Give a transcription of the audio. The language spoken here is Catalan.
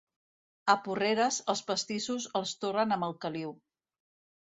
A Porreres, els pastissos els torren amb el caliu.